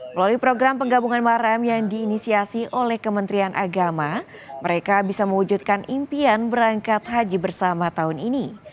melalui program penggabungan maharam yang diinisiasi oleh kementerian agama mereka bisa mewujudkan impian berangkat haji bersama tahun ini